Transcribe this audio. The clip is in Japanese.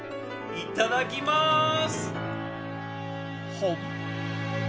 いただきまーす。